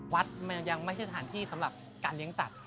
วัดมันยังไม่ใช่สถานที่สำหรับการเลี้ยงสัตว